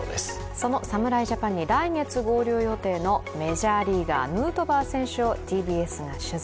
その侍ジャパンに来月合流予定のメジャーリーガーヌートバー選手をＴＢＳが取材。